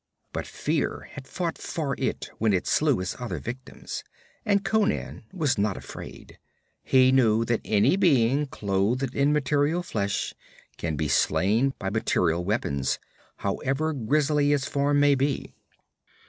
But fear had fought for it when it slew its other victims, and Conan was not afraid. He knew that any being clothed in material flesh can be slain by material weapons, however grisly its form may be.